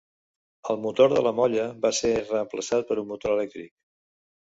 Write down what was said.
El motor de la molla va ser reemplaçat per un motor elèctric.